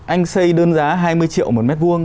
anh xây đơn giá hai mươi triệu một mét vuông